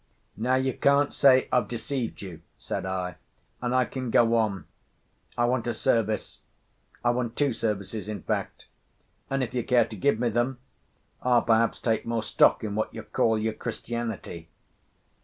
"Now, you can't say I've deceived you," said I, "and I can go on. I want a service—I want two services, in fact; and, if you care to give me them, I'll perhaps take more stock in what you call your Christianity."